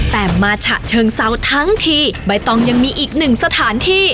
แต่มาฉะเชิงเซาทั้งทีใบตองยังมีอีกหนึ่งสถานที่